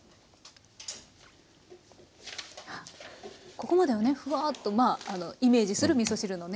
ここまではねフワーッとまあイメージするみそ汁のね